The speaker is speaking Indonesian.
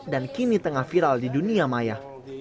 dan kini tengah viral di dunia maya